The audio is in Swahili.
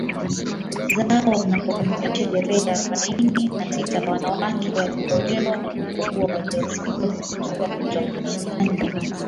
zao wanapokamilisha sherehe Arobaini na sita Wanawake walioolewa wanapokuwa waja wazito huruhusiwa kutofanya kazi